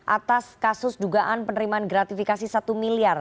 atas kasus dugaan penerimaan gratifikasi satu miliar